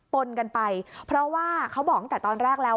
ปนกันไปเพราะว่าเขาบอกตั้งแต่ตอนแรกแล้ว